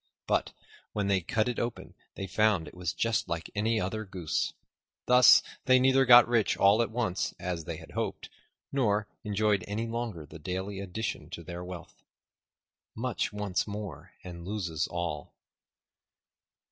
But when they cut it open they found it was just like any other goose. Thus, they neither got rich all at once, as they had hoped, nor enjoyed any longer the daily addition to their wealth. Much wants more and loses all.